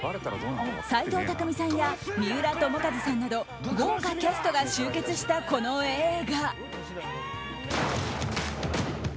斎藤工さんや三浦友和さんなど豪華キャストが集結したこの映画。